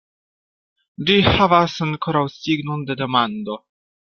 Ĝi havas ankoraŭ signon de demando.